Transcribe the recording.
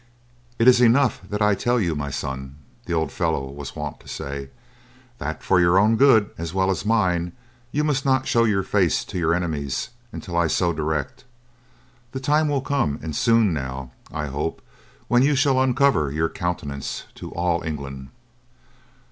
"It is enough that I tell you, my son," the old fellow was wont to say, "that for your own good as well as mine, you must not show your face to your enemies until I so direct. The time will come and soon now, I hope, when you shall uncover your countenance to all England."